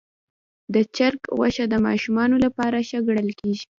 د چرګ غوښه د ماشومانو لپاره ښه ګڼل کېږي.